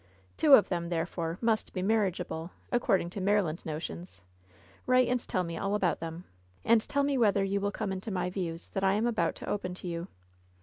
Two of them, therefore, must be marriageable, according to Maryland notions. Write and tell me all about them. And tell me whether you will come into my views that I am about to open to you.